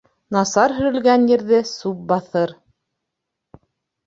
Насар һөрөлгән ерҙе сүп баҫыр.